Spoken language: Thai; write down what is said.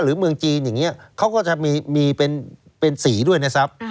เมืองจีนอย่างนี้เขาก็จะมีเป็นสีด้วยนะครับ